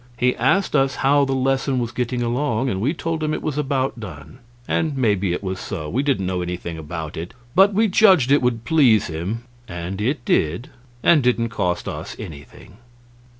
He asked us how the lesson was getting along, and we told him it was about done. And maybe it was so; we didn't know anything about it, but we judged it would please him, and it did, and didn't cost us anything.